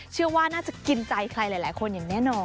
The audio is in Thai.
เชื่อว่าน่าจะกินใจใครหลายคนอย่างแน่นอน